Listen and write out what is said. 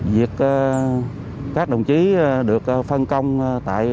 việc các đồng chí được phân công tại